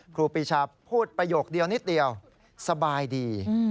ครูปรีชาพูดประโยคเดียวสบายดี